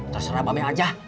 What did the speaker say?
terserah bapak bete ajah